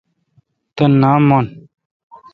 تان نام من۔